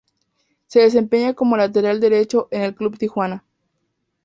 Se desempeña como Lateral derecho en el Club Tijuana.